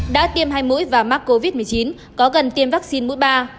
đã tiêm hai mũi và mắc covid một mươi chín có gần tiêm vaccine mũi ba